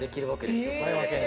これだけで。